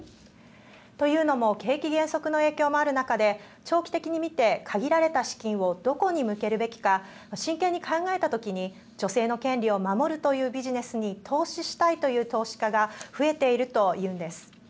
というのも景気減速の影響もある中で長期的に見て限られた資金をどこに向けるべきか真剣に考えた時に女性の権利を守るというビジネスに投資したいという投資家が増えていると言うんです。